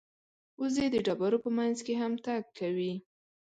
وزې د ډبرو په منځ کې هم تګ کوي